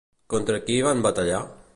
Contra qui van batallar?